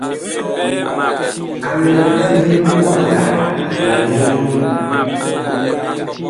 A lɛ lidi li mikwamba la ndoŋ.